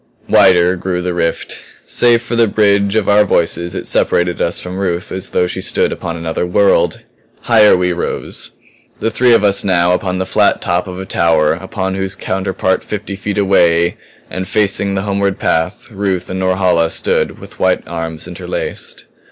Wider grew the rift. Save for the bridge of our voices it separated us from Ruth as though she stood upon another world. Higher we rose; the three of us now upon the flat top of a tower upon whose counterpart fifty feet away and facing the homeward path, Ruth and Norhala stood with white arms interlaced.